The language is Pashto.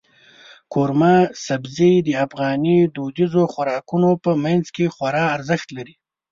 قورمه سبزي د افغاني دودیزو خوراکونو په منځ کې خورا ارزښت لري.